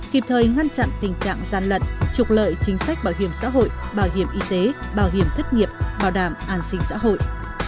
kịp thời ngăn chặn tình trạng gian lận trục lợi chính sách bảo hiểm xã hội bảo hiểm y tế bảo hiểm thất nghiệp bảo đảm an sinh xã hội